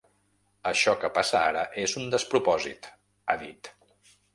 Això que passa ara és un despropòsit, ha dit.